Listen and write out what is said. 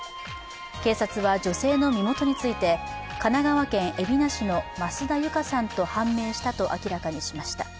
警察は女性の身元について、神奈川県海老名市の増田有華さんと判明したと明らかにしました。